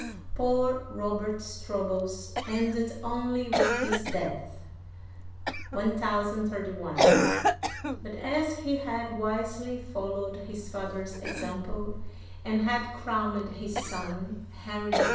Poor Robert's troubles ended only with his death (103 1), but as he had wisely followed his father's example, and had crowned his son, Henry I.